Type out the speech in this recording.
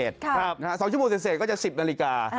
๒ชั่วโมงเสร็จก็จะ๑๐นาฬิกา